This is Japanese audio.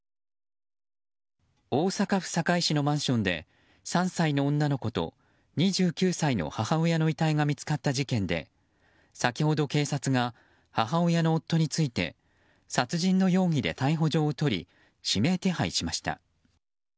大阪府堺市のマンションで３歳の女の子と２３歳の母親の遺体が見つかった事件で先ほど警察が母親の夫について殺人の容疑で逮捕状を取り、指名手配しました。